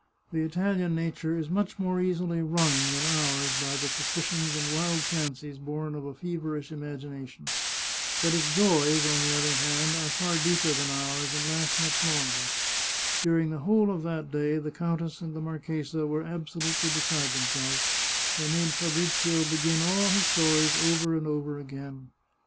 The Italian nature is much more easily wrung than ours by the suspicions and wild fancies born of a fever ish imagination. But its joys, on the other hand, are far deeper than ours, and last much longer. During the whole of that day the countess and the marchesa were absolutely beside themselves ; they made Fabrizio begin all his stories over and over again.